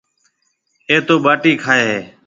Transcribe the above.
اَي تو ٻاٽِي کائي هيَ۔